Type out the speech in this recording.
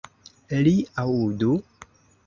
Li aŭdu!